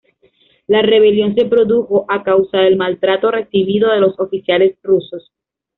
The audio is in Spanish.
La rebelión se produjo a causa del mal trato recibido de los oficiales rusos.